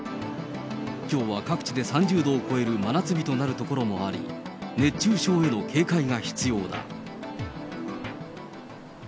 きょうは各地で３０度を超える真夏日となる所もあり、熱中症への警戒が必要だ。